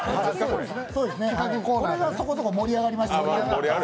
これがそこそこ盛り上がりまして。